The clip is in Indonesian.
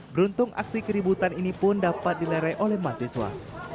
beruntung aksi keributan ini pun dapat dilerai oleh mahasiswa